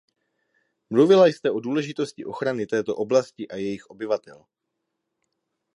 Mluvila jste o důležitosti ochrany této oblasti a jejích obyvatel.